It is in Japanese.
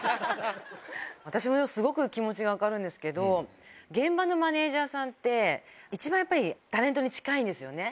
私もすごく気持ちが分かるんですけど、現場のマネージャーさんって、一番やっぱりタレントに近いんですよね。